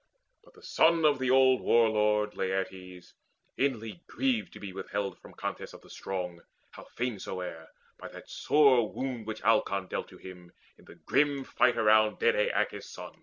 But the son of the old war lord, Laertes, inly grieved to be withheld From contests of the strong, how fain soe'er, By that sore wound which Alcon dealt to him In the grim fight around dead Aeacas' son.